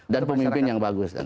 dan pemimpin yang bagus